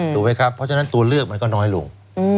ถูกไหมครับเพราะฉะนั้นตัวเลือกมันก็น้อยลง